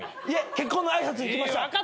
いえ結婚の挨拶に来ました。